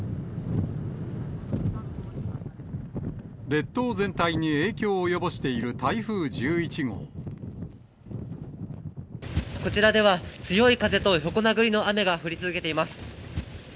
列島全体に影響を及ぼしている台こちらでは、強い風と横殴りの雨が降り続けています。